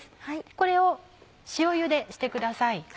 これを塩茹でしてください。